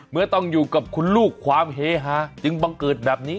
เมื่อต้องอยู่กับคุณลูกความเฮฮาจึงบังเกิดแบบนี้